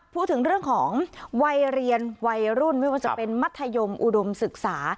พูดถึงเรื่องของวัยเรียนวัยรุ่นไม่ว่าจะเป็นมัธยมอุดมศึกษา